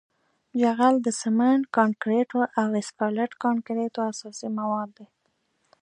جغل د سمنټ کانکریټو او اسفالټ کانکریټو اساسي مواد دي